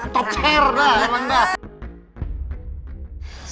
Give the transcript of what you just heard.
tocer dah emang dah